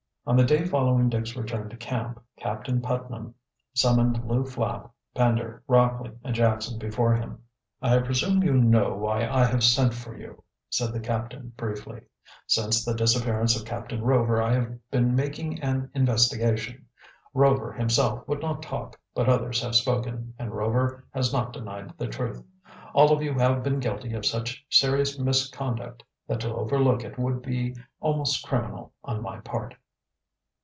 On the day following Dick's return to camp Captain Putnam summoned Lew Flapp, Pender, Rockley, and Jackson before him. "I presume you know why I have sent for you," said the captain briefly. "Since the disappearance of Captain Rover I have been making an investigation. Rover himself would not talk, but others have spoken, and Rover has not denied the truth. All of you have been guilty of such serious misconduct that to overlook it would be almost criminal on my part."